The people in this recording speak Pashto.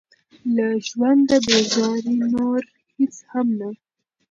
له ژونده بېزاري نور هېڅ هم نه.